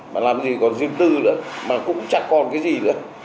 mà làm gì còn riêng tư nữa mà cũng chẳng còn cái gì nữa